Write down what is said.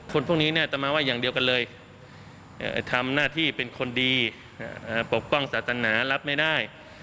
พวกนี้จะมาว่าอย่างเดียวกันเลยทำหน้าที่เป็นคนดีปกป้องศาสนารับไม่ได้